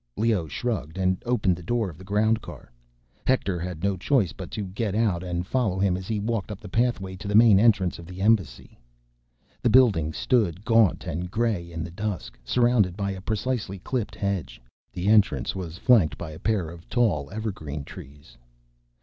Leoh shrugged, and opened the door of the groundcar. Hector had no choice but to get out and follow him as he walked up the pathway to the main entrance of the Embassy. The building stood gaunt and gray in the dusk, surrounded by a precisely clipped hedge. The entrance was flanked by a pair of tall evergreen trees.